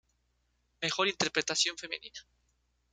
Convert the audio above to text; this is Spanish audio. Mejor Interpretación Femenina.